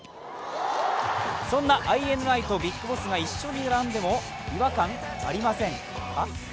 そんなＩＮＩとＢＩＧＢＯＳＳが一緒に並んでも違和感ありません。